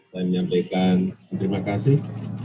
saya menyampaikan terima kasih